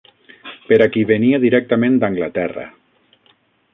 Per a qui venia directament d'Anglaterra